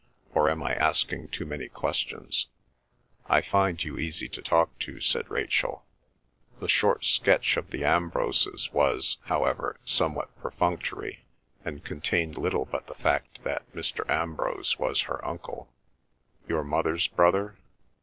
Or am I asking too many questions?" "I find you easy to talk to," said Rachel. The short sketch of the Ambroses was, however, somewhat perfunctory, and contained little but the fact that Mr. Ambrose was her uncle. "Your mother's brother?"